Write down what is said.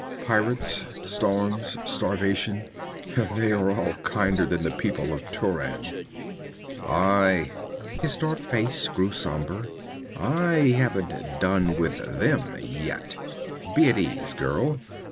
'Pirates, storms, starvation they are all kinder than the people of Turan.' 'Aye.' His dark face grew somber. 'I haven't done with them yet. Be at ease, girl.